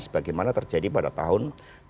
sebagaimana terjadi pada tahun dua ribu sembilan belas